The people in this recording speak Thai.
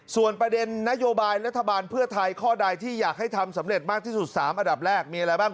ส่วนประเด็นนโยบายรัฐบาลเพื่อไทยข้อใดที่อยากให้ทำสำเร็จมากที่สุด๓อันดับแรกมีอะไรบ้าง